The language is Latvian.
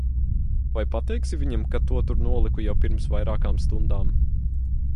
Vai pateiksi viņam, ka to tur noliku jau pirms vairākām stundām?